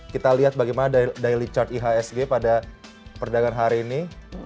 kita lihat bagaimana daily chart ihsg pada perdagangan hari ini